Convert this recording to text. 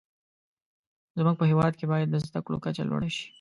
زموږ په هیواد کې باید د زده کړو کچه لوړه شې.